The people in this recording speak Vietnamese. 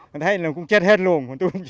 mình thấy là cũng chết hết luôn